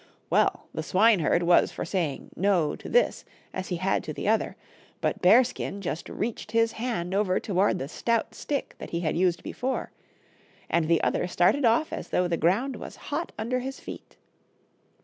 Well, the swineherd was for saying " no to this as he had to the other, but Bearskin just reached his hand over toward the stout stick that he had used before, and the other started off as though the ground was hot under his feet.